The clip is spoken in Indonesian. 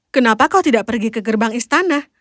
kenapa kau tidak pergi ke gerbang istana